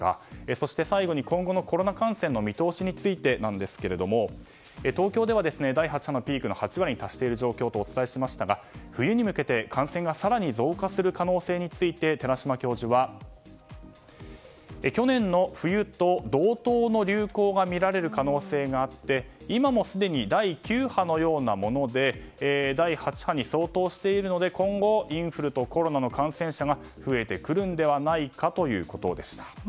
そして最後に今後のコロナ感染の見通しについてですが東京では第８波のピークの８割に達している状況だとお伝えしましたが、冬に向けて感染が更に増加する可能性について、寺嶋教授は去年の冬と同等の流行が見られる可能性があって今もすでに第９波のようなもので第８波に相当しているので今後、インフルとコロナの感染者が増えてくるのではないかということでした。